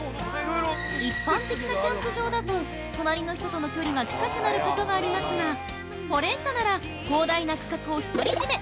一般的なキャンプ場だと隣の人との距離が近くなることがありますがフォレンタなら広大な区画を独り占め！